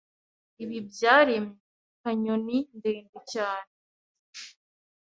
Ibi byaremye kanyoni ndende cyane